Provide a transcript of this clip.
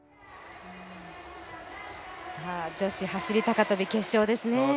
女子走高跳決勝ですね。